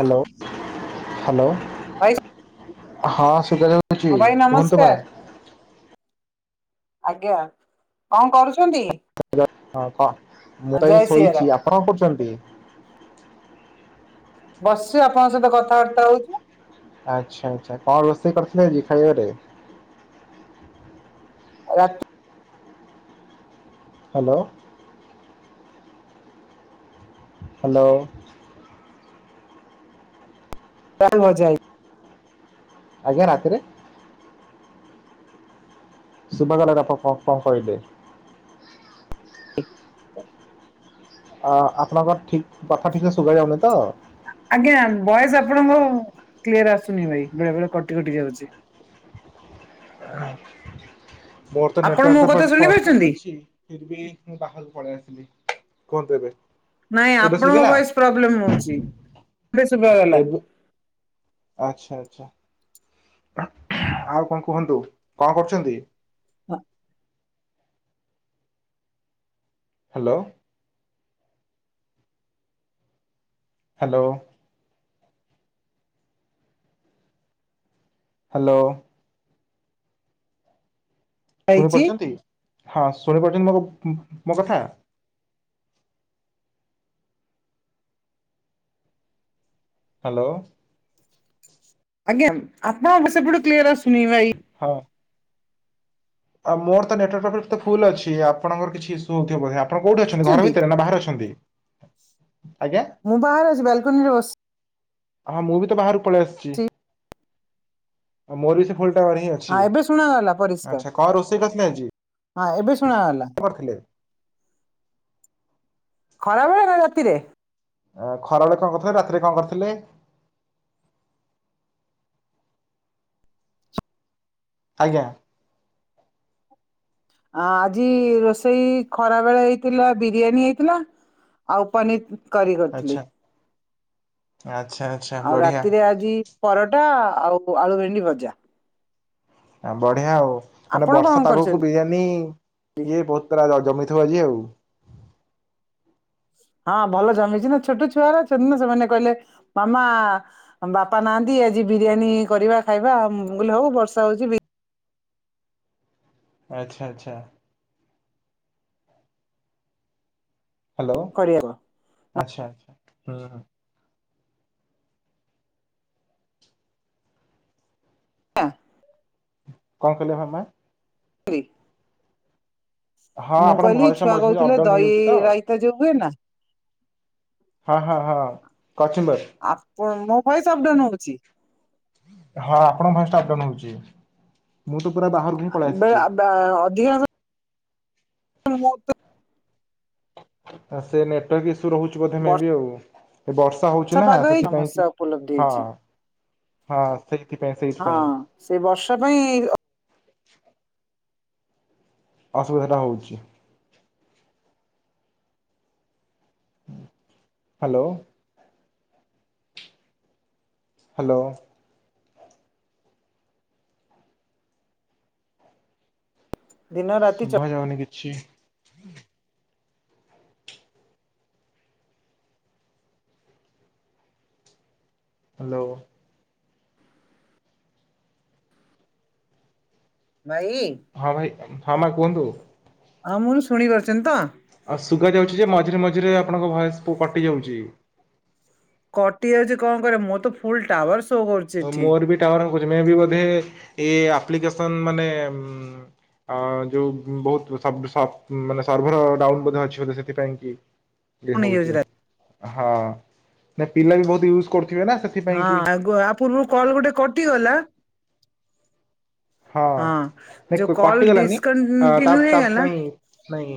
Hello ଭାଇ hello. ହଁ ସୁତାରଛି ହଁ ଭାଇ କୁହନ୍ତୃ ମା। ନମସ୍କାର ଆଜ୍ଞା କଣ କରୁଛନ୍ତି? ହଁ କହ ମୁଁ ତ ଏଇ ଜୟ ସିଆରାମ ଶୋଇଛି ଆପଣ କରୁଛନ୍ତି? ବସି ଆପଣଙ୍କ ସହିତ କଥାବାର୍ତ୍ତା ହଉଛି। ଆଚ୍ଛା ଆଚ୍ଛା କଣ ରୋଷେଇ କରିଥିଲ ଆଜି ଖାଇବାରେ? ରା। ହ୍ୟାଲୋ। ହ୍ୟାଲୋ। [unintelligible] ଆଜ୍ଞା ରାତିରେ। [unintelligible] ଅ ଆପଣଙ୍କର ଠିକ କଥା ଠିକରେ ଶୁଭା ଯାଉନି ତ ଆଜ୍ଞା ବଏସ୍ ଆପଣଙ୍କ କ୍ଲିୟର ଆସୁନି ଭାଇ ବେଳେ ବେଳେ କଟି କଟିକି ଆଉଚି। ମୋର ତ ଆପଣ ମୋ ନେଟୱାକ୍ କଥା [unintelligible] ଶୁଣି ଫରଫେକ୍ଟ୍ ପାରୁଛନ୍ତି? ଅଛି। ଫିର୍ ବି ମୁଁ ବାହାରୁକୁ ପଳେଇ ଆସିଲି କୁହନ୍ତୁ ଏବେ। ନାଇଁ ଏବେ ଆପଣଙ୍କ ଶୁଭିଲା ଭଏସ୍ ପ୍ରବ୍ଲେମ୍ ହଉଚି ବେ ଶୁବା ଗଲା। ଏବେ ଆଚ୍ଛା ଆଚ୍ଛା। ଆଉ କଣ କୁହନ୍ତୁ କଁ କରୁଚନ୍ତି? ଆ। ହାଲୋ। ହାଲୋ। ହାଲୋ। ଶୁଣି ହେଇଛି ପାରୁଚନ୍ତି ହ ଶୁଣି ପାରୁଚନ୍ତି ମୋ ବ ମୋ କଥା? ହାଲୋ। ଆଜ୍ଞା ଆପଣ [unintelligible] ସେପଟୁ କ୍ଲିୟର ଆସୁନି ବାଇ। ହଁ। ଆ ମୋର ତ ନେଟୱାକ୍ [unintelligible] ଫୁଲ୍ ଅଛି ଆପଣଙ୍କର କିଛି ଇସୁ ହଉଥିବ ବୋଧେ ଆ ପଣ କୋଉଠି ଅଛନ୍ତି ଘର ବୁଝଛନ୍ତି। ଭିତରେ ନା ବାହାରେ ଅଛନ୍ତି? ଆଜ୍ଞା। ମୁଁ ବାହାରେ ଅଛି ବାଲକନିରେ ବସ୍ ହଁ ମୁଁ ବି ତ ବାହାରୁ ପଳେଇ ଆସିଚି ଆଉ ମୋର ବି ସେ ଫୋଲଟା ରେଁ ଛି ହଁ ଏବେ ଶୁଣାଗଲା ପରିଷ୍କାର ଆଚ୍ଛା କଁ ରୋଷେଇ କରିଥିଲେ ଆଜି? ହଁ ଏବେ ଶୁଣାଗଲା। [unintelligible] ଥିଲେ ଖରାବେଳେ ନା ରାତିରେ? ଆ ଖରାବେଳେ କଁ କରିଥିଲେ, ରାତିରେ କଁ କରିଥିଲେ? ଆଜ୍ଞା। ଆ ଆଜି ରୋଷେଇ ଖରାବେଳେ ଏଇଥିଲା ବିରିୟାନୀ ଏଇଥିଲା ଆଉ ପନି କରି ଆଚ୍ଛା। କରଥିଲି। ଆଚ୍ଛା ଆଚ୍ଛ ଆଉ ରାତିରେ ଆଜି ପରଟା ଆଉ ପୋ ଆଳୁ ଭେଣ୍ଡି ଭଜା। ଆଁ ବଢିଆ ଆଉ ମାନେ ଆପଣ କଣ ବର୍ଷା କରିଛନ୍ତି? ତାଗକୁ ବିରିୟାନୀ ଇଏ ବହୁତ୍ ତରା ଜ ଜମେଇଥିବ ଆଜି ଆଉ। ହଁ ଭଲ ଜମିଚି ନା ଛୋଟ ଛୁଆରା ସେଦିନ୍ ସେମାନେ କହିଲେ ମାମା ବାପା ନାହାନ୍ତି ଆଜି ବିରିୟାନୀ କରିବା ଖାଇବା ଉୁଁ ମୁଁ କଇଲି ହଉ ବର୍ଷା ହଉଚି ବି ଆଚ୍ଛା ଆଚ୍ଛା। ହାଲୋ କରିବାକୁ। ଆଚ୍ଛା ଆଚ୍ଛା ହୁଁ ହୁଁ। [unintelligible] କଁ କଇଲେ ଭାମା? [unintelligible] ହଁ ମୁଁ ଆପଣଙ୍କ କହିଲି ଭଏସ ଟା ଛୁଆ ମଝି ମଝି କହୁଥିଲେ ଅପଡାଉନ ଦଇ ହେଇଯାଉଛି ତ ରାଇତା ଯୋଉ ହୁଏ ନା ହଁ ହଁ ହଁ କଚୁମ୍ବର। ଆପ ମୋ ଭଏସ୍ ଅପ୍ ଡାଉନ୍ ନଉଚି? ହ ଆପଣଙ୍କ ଭଏସ୍ ଟା ଅପ୍ ଡାଉନ୍ ହଉଚି ମୁଁ ତ ପୁରା ବାହାରକୁ ହିଁ ପଳେ ଆସଚି। ଡ଼ା ଅଧିକାଂଶ [unintelligible] ତା ସେ ନେଟୱାର୍କ ଇସୁ ରହୁଚି ବୋଧେ ମେ ବର୍ଷା ବି ଆଉ। ବର୍ଷା ହଉଚି ନା ପାଗ ହେଇ ସେଥିପାଇଁ ସମସ୍ୟା କି ଉପଲବ୍ଧି ହ ହେଇଛି। ହ ସେଥିପାଇଁ ସେ ହଁ ସେ ବର୍ଷା ପାଇଁ [unintelligible] ଅ ଅସୁବିଧାଟା ହଉଚି। ହାଲୋ। ହାଲୋ। ଦିନ ରାତି ଚ ଶୁଭା ଯାଉନି କିଛି। ହାଲୋ। ବାଇ। ହଁ ଭାଇ ହଁ ମା କୁହନ୍ତୁ। ଆଉ ମୁଁ ନି ଶୁଣି ପାରୁଛନ୍ତି ତ। ଆଉ ଶୁଗା ଯାଉଛି ଯେ ମଝିରେ ମଝିରେ ଆପଣଙ୍କ ଭଏସ ପୁ କଟି ଯାଉଛି। କଟି ଯାଉଛି କଣ କରିବା ମୋର ତ ଫୁଲ ଟାୱାର ଶୋ କରୁ ତ ମୋର ବି ଟାୱାର ରଖୁଛି ମୁ ବି ବୋଧେ ଏ ଆପ୍ଲିକେସନ ମାନେ ଅ ଯୋଉ ବହୁତ ସବ୍ ସବ୍ ମାନେ ସର୍ଭର ଡାଉନ ବଧେ ଅଛି ବୋଧ ସେଥିପାଇଁ କି। ଇଏ କଣ ହେଇଯାଉଛି ହଉଛି ରା ହଁ ନା ପିଲା ବି ବହୁତ ୟୁଜ କରୁଥିବେ ନା ସେ ହଁ ଆଗ ଆ ପୂର୍ବରୁ କଲ ଗୋଟେ କଟିଗଲା। ହଁ ଯୋଉ ନାଇଁ କଲ କଟିଗଲାନି ଡିସକ ତା ଣ୍ଟିନ୍ୟୁ ତା ହେଇଗଲା। ନାଇଁ ନାଇଁ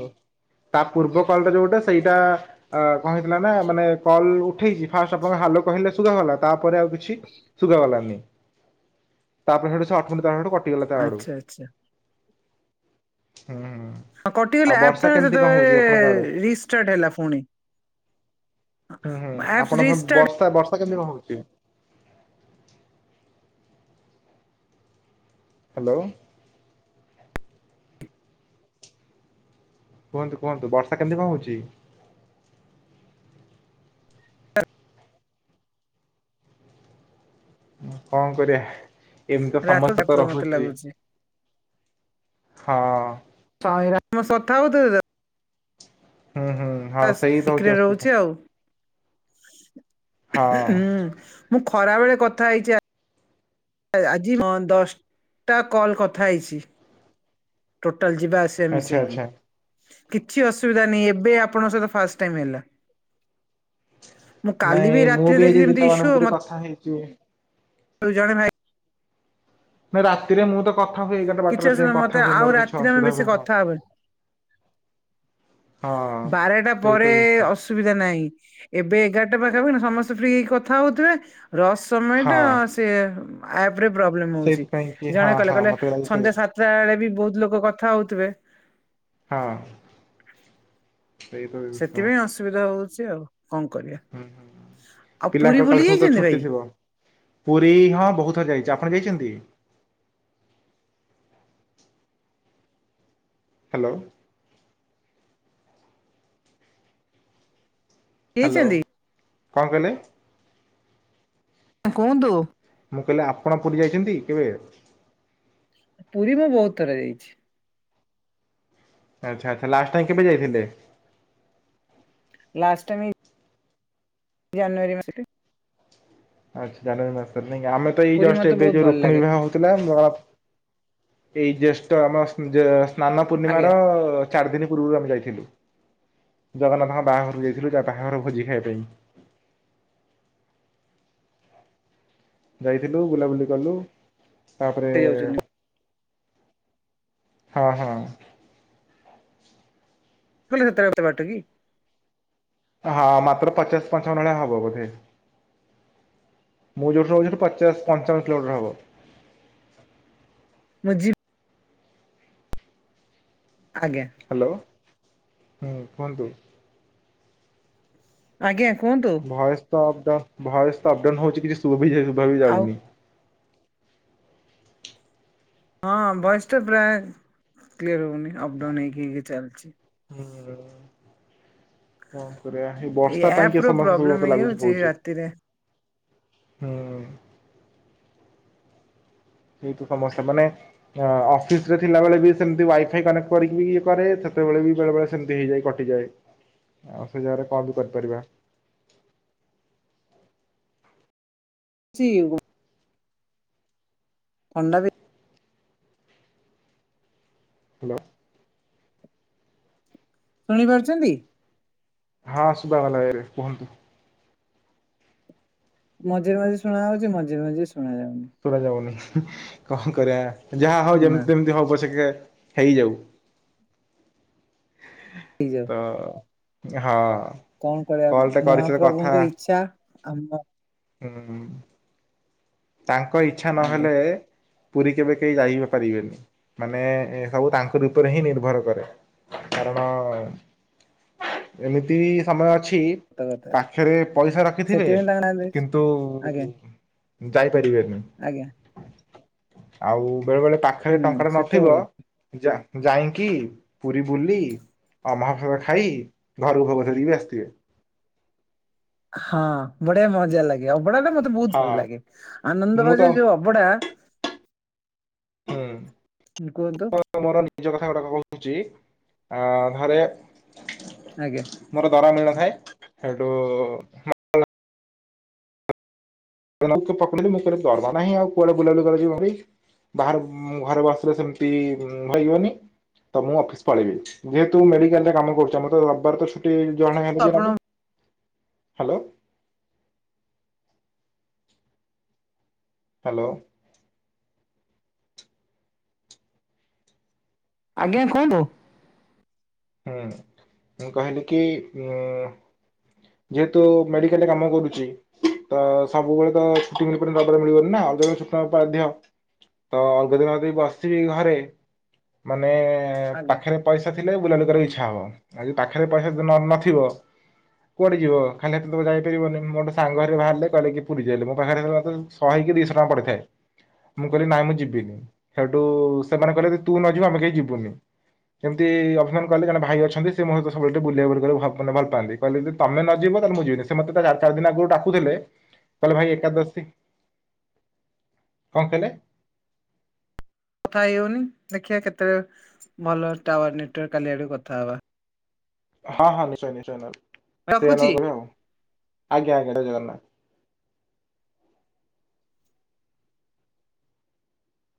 ତା ପୂର୍ବ କଲ୍ ଟା ଯୋଉଟା ସେଇଟା ଅ କଣ ହେଲା ନା ମାନେ କଲ ଉଠେଇଛି ଫାଷ୍ଟ ଆପଣଙ୍କ ହାଲୋ କହିଲେ ଶୁଗା ଭଲା ତାପରେ ଆଉ କିଛି ଶୁଭା ଗଲାନି ତାପରେ ସେଉଟୁ ସେ ଅଟମି ସେ ତା ସେଟୁ କ ଟିଗଲା ତା ଆଡୁ ଆଚ୍ଛା ଆଚ୍ଛା। ହୁଁ ହୁଁ। ହଁ ଆଉ କଟିଗଲା ଆପ ବର୍ଷା ଟା କେମିତି କଣ ହଉଛି ଆପଣଙ୍କ ଆଡେ? ସେତବେଳେ ରିଷ୍ଟାର୍ଟ ହେଲା ପୁଣି। ହୁଁ ହୁଁ ଆପ୍ସ ଆପଣ ସେ ରିଷ୍ଟାର୍ଟ ବର୍ଷା ବର୍ଷା କେମତିି କନ ହଉଛି। ହ୍ୟାଲୋ। କୁହନ୍ତୁ କୁହନ୍ତୁ ବର୍ଷା କେମିତି କଣ ହଉଛି। କଣ କରିବା ଏମିତି ତ ରାତି ସମସ୍ତେ ତ ମତେ ରହୁଛି। ଲାଗୁଛି। ହଁ। [unintelligible] ହୁଁ ହୁଁ ହଁ ସେଇ ତ ଠିକରେ ହଉଛି ରହୁଛି ଅସୁବିଧା। ଆଉ। ହଁ ହୁଁ ମୁଁ ଖରା ବେଳେ କଥା ହେଇଚି ଆ ଆଜି ହଁ ଦଶଟା କଲ୍ କଥା ହେଇଛି। ଟୋଟାଲ ଯିବା ଆସିବା ଆଚ୍ଛା ମିଶେଇକି। ଆଚ୍ଛା କିଛି ଅସୁବିଧା ନାହିଁ ଏବେ ଆପଣଙ୍କ ସହିତ ଫାଷ୍ଟେଟାଇମ୍ ହେଲା। ମୁଁ କାଲି ନାଇଁ ବି ମୁଁ ରାତିରେ ଆଜି ଦେଖିଲି ଯେମିତି ଦିନମାନ ଈସୁ ଭିତରେ ମତେ କଥା ହେଇଚି। [unintelligible] ଜଣେ ଭାଇ ନା ରାତିରେ ମୁଁ ତ କଥା ହୁଏ ଏଗାର ଟା ବାର କିଛି ଟା ରାତି ରେ ଅସୁବିଧା ମତେ କଥା ହୁଏ ଆଉ ମୋର କିଛି ରାତିରେ ଆମେ ଅସୁବିଧା ବେଶୀ ହୁଏ ନାହିଁ। କଥା ହବାନି ହଁ ବାରଟା ସେଇ ତ ପରେ ଜିନିଷ ଅସୁ ସୁବିଧା ନାହିଁ ଏବେ ଏଗାରଟା ପାଖାପାଖି ନା ସମସ୍ତେ ଫ୍ରି ହେଇକି କଥା ହଉଥିବେ ରସ ସମୟ ଟା ହଁ ସେ ଆପ ରେ ପ୍ରୋବ୍ଲେମ ହଉଛି ସେଇଥିପାଇଁ କି ଜଣେ ହଁ କହିଲେ ହଁ କହିଲେ ମତେ ଲାଗୁଛି ସନ୍ଧ୍ୟା ସେଇଆ ସାତ ତଟା ବେଳେ ବି ବହୁତ ଲୋକ କଥା ହଉଥିବେ। ହଁ! ସେଇ ତ ଜିନିଷ ସେଥିପାଇଁ ଅସୁବିଧା ହଉଛି ଆଉ କଣ କରିବା। ହୁଁ ହୁଁ ଆଉ ପୁରୀ ପିଲାଙ୍କ ବୁଲି କାଲି ସବୁ ତ ଯାଇଛନ୍ତି ଭାଇ ଛୁଟି ଥିବ। ପୁରୀ ହଁ ବହୁତ ଥର ଯାଇଛି ଆପଣ ଯାଇଛନ୍ତି। ହାଲୋ। ହାଲୋ ଯାଇଛନ୍ତି? କଣ କହିଲେ। କୁହନ୍ତୁ। ମୁଁ କହିଲି ଆପଣ ପୁରୀ ଯାଇଛନ୍ତି କେବେ। ପୁରୀ ମୁଁ ବହୁତ ଥର ଯାଇଛି। ଆଚ୍ଛା ଆଚ୍ଛା ଲାଷ୍ଟ ଟାଇମ୍ କେବେ ଯାଇଥିଲେ। ଲାଷ୍ଟ ଟଇମ୍ ଜାନୁୟରୀ ମାସରେ। ଆଛା ଜାନୁଆରୀ ମାସ ରେ ନାଇ କି ଆମେ ତ ଏଇ ପୁରୀ ଜଷ୍ଟ ମତେ ଏବେ ବହୁତ ଯୋଉ ଭଲ ରୁକ୍ମିଣୀ ଲାଗେ ବିବାହ ହଉଥିଲା ଯ ଏଇ ଜେଷ୍ଠ ଆମ ଯେ ସ୍ନାନ ପୂର୍ଣ୍ଣିମା ଆଜ୍ଞା ର ଚାରି ଦିନ ପୂର୍ବରୁ ଆମେ ଯାଇଥିଲୁ ଜଗନ୍ନାଥଙ୍କ ବାହାଘରକୁ ଯାଇଥିଲୁ ଯା ବାହାଘର ଭୋଜି ଖାଇବା ପାଇଁ। ଯାଇଥିଲୁ ବୁଲାବୁଲି କଲୁ ତାପରେ ଯାଉଛନ୍ତି ହଁ ହଁ। ମୁଁ କହିଲି ସେତେବେଳେ ଗୋଟେ ବାଟ କି? ହଁ ମାତ୍ର ପଚାଶ ପାଞ୍ଚାବନ ହବ ବୋଧେ? ମୁଁ ଯେଉଁଠି ରହୁଛି ପଚାଶ ପଞ୍ଚାବନ କିଲୋମିଟର ହବ। ମୁଁ ଜିପ୍ ଆଜ୍ଞା ହାଲୋ ହ କୁହନ୍ତୁ? ଆଜ୍ଞା କୁହନ୍ତୁ ଭଏସ୍ ତ ଅବଡାଉନ୍ ଭଏସ୍ ତ ଅବଡାଉନ୍ ହେଉଛି କିଛି ଶୁଭା ବି ଆଉ ଯାଉନି। ହଁ ଭଏସ୍ ଟା ପ୍ରଏ କ୍ଲିୟର ହଉନି ଅବଡାଉନ୍ ହେଇକି କି ଚାଲିଛି। କଣ କରିବା ଏ ଏଇ ବର୍ଷା ପାଇଁ ଆପ୍ କି ଏ ର ସମସ୍ୟା ସବୁ ପ୍ରୋବ୍ଲେମ ମତେ ଲାଗୁଛି ହେଇଯାଉଛି ହଉଛି। ରାତିରେ ହୁଁ ଏଇଠୁ ସମସ୍ୟା ମାନେ ଅଫିସ ରେ ଥିଲାବେଳେ ବି ସେମିତି ୱାଇଫାଇ କନେକ୍ଟ କରିକି ବି ଇଏ କରେ ସେତେବେଳେ ବି ବେଳେ ବଳେ ସେମିତି ହେଇଯାଏ କଟିଯାଏ। ଆଉ ଅଫିସି ଜାଗାରେ କଣ ବି କରିପାରିବା। ଚି ଗୋଡ଼ ଅଣ୍ଡା ବି ହାଲୋ ଶୁଣି ପାରୁଛନ୍ତି? ହଁ ଶୁଭ ଗଲା ଏବେ କୁହନ୍ତୁ? ମଝିରେ ମଝିରେ ଶୁଣା ଯାଉଚି ମଝିରେ ମଝିରେ ଶୁଣା ଯାଉନି। ଶୁଭା ଯାଉନି କଣ କରିବା ଯାହା ହଉ ନା ଯେମିତିଯେ ମିତି ହଉ ପଛକେ ହେଇଯାଉ। ହେଇ ଯାଉ। ତ ହଁ। କଣ କଲ ଟା କରିବା କରିଛ ମହାପ୍ରଭୁଙ୍କ ଇଚ୍ଛା ଆମ ଉ ହୁଁ। ତାଙ୍କ ଇଚ୍ଛା ଆଜ୍ଞା ନହେଲେ ପୁରୀ କେବେ କେହି ଯାଇ ପାରିବେନି। ମାନେ ସବୁ ତାଙ୍କର ଉପରେ ହିଁ ନିର୍ଭର କରେ କାରଣ ଏମିତି ସମୟ ଅଛି। ସତ କଥା ପାଖରେ ପଇସା ରଖିଥିବେ ସେଥିପାଇଁ ତାଙ୍କ ନାଁ ଦେଇଛି କିନ୍ତୁ ଆଜ୍ଞା ଯାଇପାରିବେନି। ଆଜ୍ଞା। ଆଉ ବେଳେ ବେଳେ ପାଖରେ ହୁଁ ଟଙ୍କା ଟେ ସେ ତ ନଥିବ। ହଉ ଯା ଯାଇକି ପୁରୀ ବୁଲି। ହଁ ମହାପ୍ରସଦ ଖାଇ ଘରକୁ ଭୋଗ ଧରିକି ବି ଆସିଥିବେ। ହଁ ବଢିଆ ମଜା ଲାଗେ ଅଭଡା ଟା ମତେ ବହୁତ ଭଲ ହଁ ଲାଗେ ଆନନ୍ଦ ମୁଁ ତ ବାଜ ଯୋଉ ଅବଡା। କୁହନ୍ତୁ ହୁଁ ଅ ମୋର ନିଜ କଥା ଗୁଡାକ କହୁଛି ଆ ଥରେ ଆଜ୍ଞା। ମୋର ଦରମା ମିଳିନଥାଏ ସେଇଠୁ ପେଇି [unintelligible] ନାହିଁ ଆଉ କୁଆଡେ ବୁଲାବୁଲି କରିିବି ଭାଇ। ବାହାର ଘରେ ବସିଲେ ସେମତି ହେଇବନି। ତ ମୁଁ ଅଫିସ ପଳେଇବି ଯେହେତୁ ମେଡିକାଲରେ କାମ କରୁଛ ମୋତେ ରବିବାର ଛୁ ଛୁଟି ଜଣେ ହେଲେ ଯିଏ ଆପଣ ନେବେ ହାଲୋ। ହ୍ୟାଲୋ। ଆଜ୍ଞା କୁହନ୍ତୁ? ହୁଁ ମୁଁ କହିଲି କି ଉ ଯେହେତୁ ମେଡିକାଲରେ କାମ କରୁଚି। ତ ସବୁବେଳେ ତ ଛୁଟି ମିଳିପାରୁନି ତାରେ ମିଳିବନି ନାଉ ଯ ଛୁଟି ନେବାକୁ ବଧ୍ୟ୍ୟ। ତ ଅଳଗା ଦିନ ଯଦି ବସିବି ଘରେ ମାନେ ଆଜ୍ଞା ପାଖରେ ପଇସା ଥିଲେ ବୁଳା ବୁଲି କରିବାକୁ ଇଛା ହବ ଆଜି ପାଖରେ ପଇସା ନଥିବ କୁଆଡ ଯିବ? ଖାଇଁତି ତ ଯାଇପାରିବନି ମୋଦ ସାଙ୍ଗ ଘରିକ ବାହାରିଲେ କହିଲେକି ପୁରୀ ଯିବାଇଲୋ ମୋ ପାଖରେ [unintelligible] ସହେଁ କି ଦିଇସ ଟଙ୍କା ପଡିଥାଏ। ମୁଁ କହିଲି ନାଇଁ ମୁଁ ଯିବିନି ସେଠୁ ସେମାନେ କହିଲେ ଦି ତୁ ନ ଯିବୁ ଆମେ କେହି ଯିବୁନି। କେମତି ଅମ ହିମନ୍ କଲି ଜଣେ ଭାଇ ଅଛନ୍ତି ସେ ମୋହିତ ଏଡ଼େ ବୁଲିବା [unintelligible] ଭଲ ପାନ୍ତି କହିଲେ ଯଦ ତମେ ନ ଯିବ ତାହେଲେ ମୁଁ ଯିବିନି ସ ସେ ମତେ ତଲା ଚାରି ଦିନ ଆଗରୁ ଡାକୁଥିଲେ କହିଲେ ଭାଇ ଏକାଦଶୀ କଁ କହିଲେ? କଥା ହେଇ ହଉନି ଦେଖିବା କେତେ ଭଲ ଟାୱାର ନେଟାର୍ କାଲି ଆଡୁ କଥା ହବା। ହଁ ହଁ ନିଶ୍ଚୟ ନିଶ୍ଚୟ ସେଇୟା ରଖୁଛି। ନହେଲ କରିମି ଆଉ ଆଜ୍ଞା ଆଜ୍ଞା ଜଗନ୍ନାଥ।